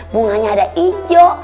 bunganya ada ijo